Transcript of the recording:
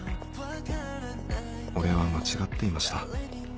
俺は間違っていました。